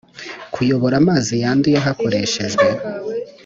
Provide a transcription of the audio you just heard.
kuyobora amazi yanduye hakoreshejwe